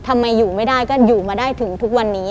ทำไมอยู่ไม่ได้ก็อยู่มาได้ถึงทุกวันนี้